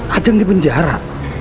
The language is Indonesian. ajeng di penjara